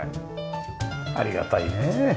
ありがたいねえ。